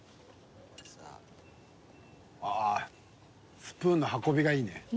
ああスプーンの運びがいいね。